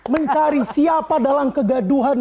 mencari siapa dalam kegaduhan